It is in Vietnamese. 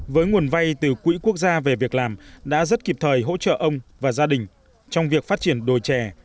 với nguồn vay từ quỹ quốc gia về việc làm đã rất kịp thời hỗ trợ ông và gia đình trong việc phát triển đồi trè